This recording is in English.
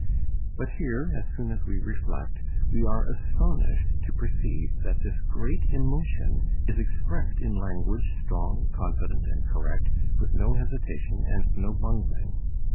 But here, as soon as we reflect, we are astonished to perceive that this great emotion is expressed in language strong, confident, and correct, with no hesitation and no bungling.